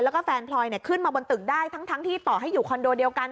แล้วก็แฟนพลอยขึ้นมาบนตึกได้ทั้งที่ต่อให้อยู่คอนโดเดียวกัน